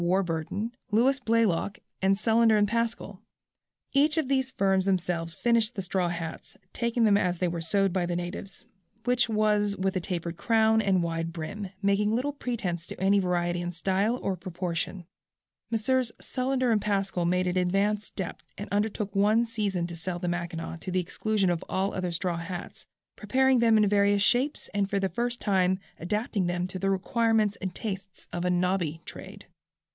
Warburton, Louis Blaylock, and Sullender & Pascall; each of these firms themselves finished the straw hats, taking them as they were sewed by the natives, which was with a taper crown and wide brim, making little pretence to any variety in style or proportion. Messrs. Sullender & Pascall made an advanced step and undertook one season to sell the Mackinaw to the exclusion of all other straw hats, preparing them in various shapes and for the first time adapting them to the requirements and tastes of a "nobby" trade.